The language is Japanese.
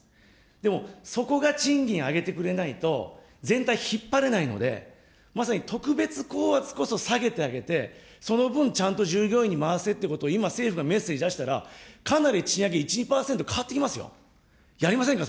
でも、そこが賃金上げてくれないと、全体、引っ張れないので、まさに特別高圧こそ下げてあげて、その分、ちゃんと従業員に回せっていうことを政府がメッセージ出したら、かなり賃上げ、１、２％変わってきますよ。